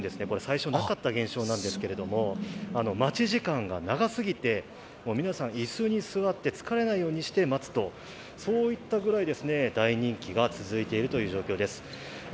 これ最初なかった現象なんですけれども、待ち時間が長すぎて、皆さん椅子に座って疲れないようにして待つとそういったぐらい大人気が続いているという状況です。